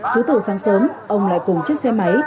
thứ tử sáng sớm ông lại cùng chiếc xe máy